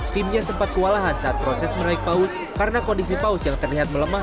timnya sempat kewalahan saat proses menaik paus karena kondisi paus yang terlihat melemah